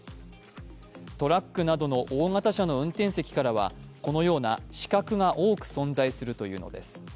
トラックなどの大型車の運転席からはこのような死角が多く存在するということです。